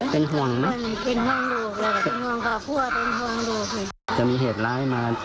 เป็นห่วงไหม